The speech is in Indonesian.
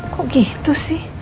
kok gitu sih